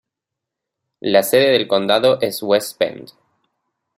La sede del condado es West Bend.